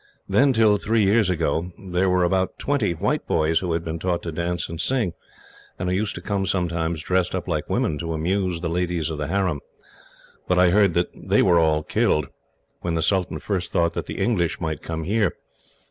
Then, till three years ago, there were about twenty white boys who had been taught to dance and sing, and who used to come sometimes, dressed up like women, to amuse the ladies of the harem; but I heard that they were all killed, when the sultan first thought that the English might come here.